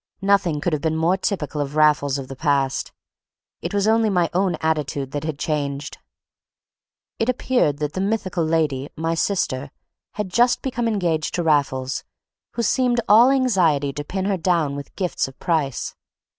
Nothing could have been more typical of Raffles and the past. It was only my own attitude that was changed. It appeared that the mythical lady, my sister, had just become engaged to Raffles, who seemed all anxiety to pin her down with gifts of price.